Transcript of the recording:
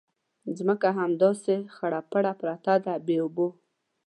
ځمکه هم همداسې خړه پړه پرته ده بې اوبو.